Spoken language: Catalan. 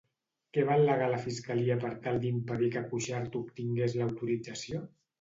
Què va al·legar la fiscalia per tal d'impedir que Cuixart obtingués l'autorització?